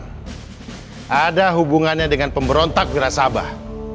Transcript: tidak ada hubungannya dengan pemberontak wirasabah